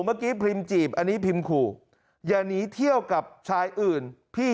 เมื่อกี้พิมพ์จีบอันนี้พิมพ์ขู่อย่าหนีเที่ยวกับชายอื่นพี่